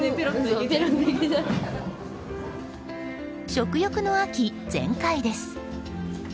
食欲の秋全開です。